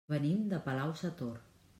Venim de Palau-sator.